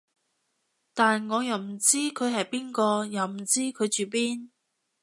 但我又唔知佢係邊個，又唔知佢住邊